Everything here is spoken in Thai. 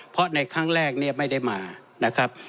เพราะในครั้งแรกไม่ได้มา